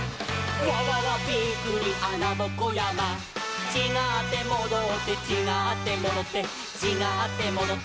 「わわわびっくりあなぼこやま」「ちがってもどって」「ちがってもどってちがってもどって」